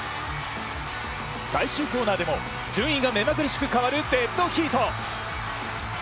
最終コーナーでも順位が目まぐるしく変わるデッドヒート。